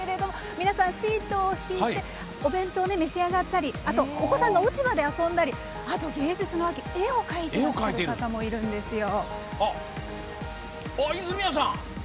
皆さん、シートを敷いてお弁当を召し上がったりあと、お子さんが落ち葉で遊んだり芸術の秋絵を描いてらっしゃる方もいるんですよ。